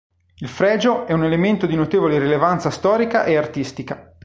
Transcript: Il fregio è un elemento di notevole rilevanza storica e artistica.